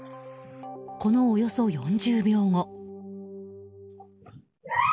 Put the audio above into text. この、およそ４０秒後。